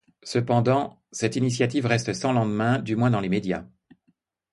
Cependant, cette initiative reste sans lendemain du moins dans l'immédiat.